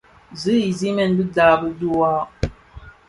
Zi isigmèn bidaabi dhiwa.